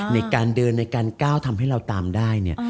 ในการเดินในการก้าวทำให้เราตามได้เนี่ย